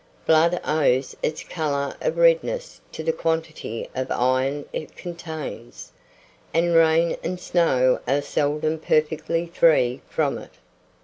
Blood owes its colour of redness to the quantity of iron it contains, and rain and snow are seldom perfectly free from it.